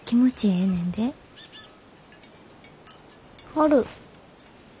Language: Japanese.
ある。